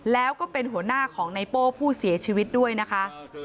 แล้วก็เป็นหัวหน้าของในโป้ผู้เสียชีวิตด้วยนะคะ